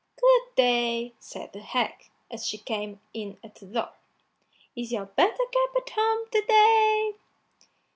"Good day!" said the hag, as she came in at the door; "is your Buttercup at home to day?"